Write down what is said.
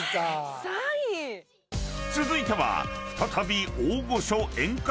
［続いては再び大御所］